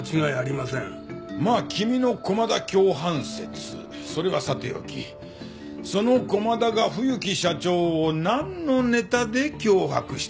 まあ君の駒田共犯説それはさて置きその駒田が冬木社長をなんのネタで脅迫していたかだな。